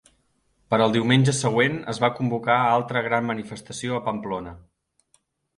Per al diumenge següent es va convocar altra gran manifestació a Pamplona.